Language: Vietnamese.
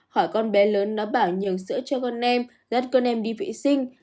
hỏi con bé lớn nó bảo nhường sữa cho con em dắt con em đi vệ sinh